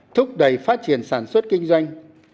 thúc đẩy phát triển sản xuất kinh doanh